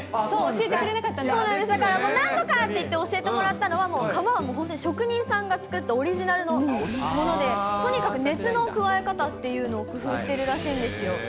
そうなんです、だからなんとかっていって教えてもらったのは、もう釜は職人さんが作ったオリジナルのもので、とにかく熱の加え方っていうのを工夫してるらしいんですよ。